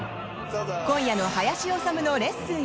今夜の「林修のレッスン！